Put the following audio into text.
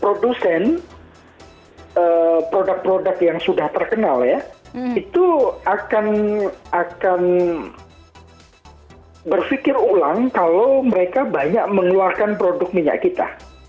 produsen produk produk yang sudah terkenal ya itu akan berpikir ulang kalau mereka banyak mengeluarkan produk minyak kita